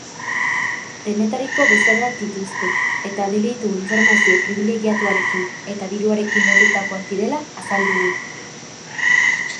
Denetariko bezeroak dituzte eta delitu informazio pribilegiatuarekin eta diruarekin lotutakoak direla azaldu du.